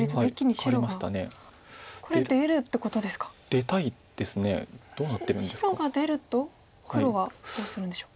白が出ると黒はどうするんでしょう。